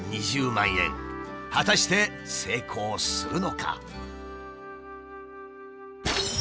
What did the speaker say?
果たして成功するのか？